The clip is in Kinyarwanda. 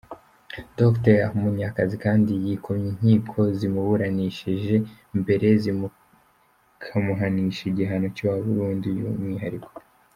Dr Munyakazi kandi yikomye inkiko zamuburanishije mbere zikamuhanisha igihano cya burundu y’umwihariko.